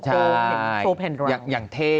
ที่โรแพลนดรัง